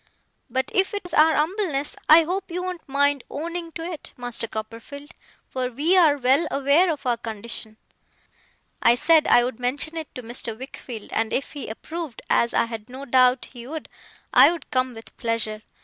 But if it is our umbleness, I hope you won't mind owning to it, Master Copperfield; for we are well aware of our condition.' I said I would mention it to Mr. Wickfield, and if he approved, as I had no doubt he would, I would come with pleasure.